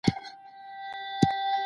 کله نړیواله تودوخه خطرناکه کچې ته رسیږي؟